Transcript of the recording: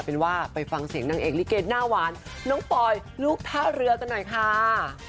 เป็นว่าไปฟังเสียงนางเอกลิเกตหน้าหวานน้องปอยลูกท่าเรือกันหน่อยค่ะ